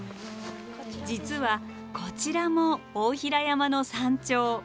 実はこちらも大平山の山頂。